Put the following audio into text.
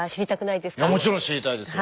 いやもちろん知りたいですよ。